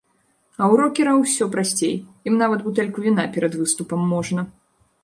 А ў рокераў усё прасцей, ім нават бутэльку віна перад выступам можна.